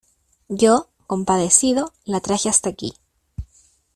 yo, compadecido , la traje hasta aquí.